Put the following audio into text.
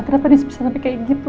kenapa dia bisa sampai kayak gitu